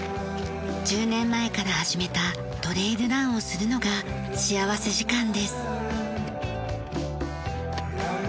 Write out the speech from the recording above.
１０年前から始めたトレイルランをするのが幸福時間です。